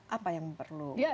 apa yang perlu